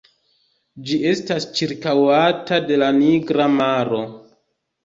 Ĝi estas ĉirkaŭata de la Nigra maro.